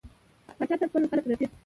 پاچا تل خپل خلک رټي.